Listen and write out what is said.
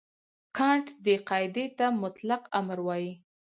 کانټ دې قاعدې ته مطلق امر وايي.